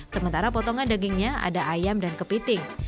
sementara potongan dagingnya ada ayam dan kepiting